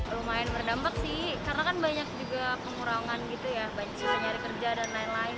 rumah yang berdampak sih karena kan banyak juga pengurangan gitu ya banyak yang nyari kerja dan lain lain